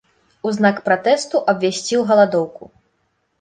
У знак пратэсту абвясціў галадоўку.